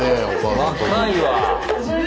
若いわ。